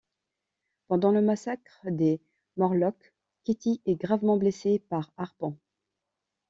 Pendant le massacre des Morlocks, Kitty est gravement blessée par Harpon.